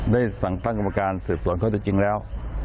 ได้สั่งตั้งกรรมการสืบสวนข้อได้จริงแล้ว